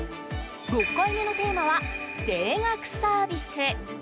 ６回目のテーマは定額サービス。